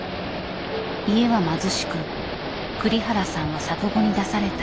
家は貧しく栗原さんは里子に出された。